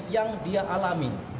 jadi yang dia alami